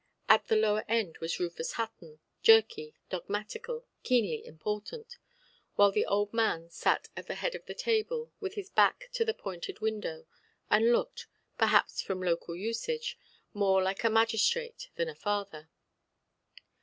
At the lower end was Rufus Hutton, jerky, dogmatical, keenly important; while the old man sat at the head of the table, with his back to the pointed window, and looked (perhaps from local usage) more like a magistrate than a father.